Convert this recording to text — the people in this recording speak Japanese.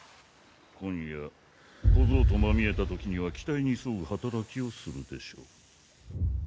今夜小僧とまみえた時には期待に添う働きをするでしょう